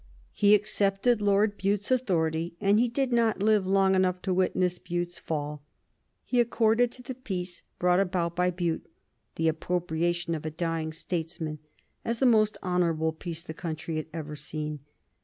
He accepted Lord Bute's authority, and he did not live long enough to witness Bute's fall. He accorded to the peace brought about by Bute "the approbation of a dying statesman," as the most honorable peace the country had ever seen.